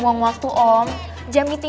udah relationship ya